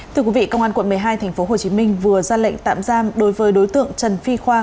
thưa quý vị công an quận một mươi hai tp hcm vừa ra lệnh tạm giam đối với đối tượng trần phi khoa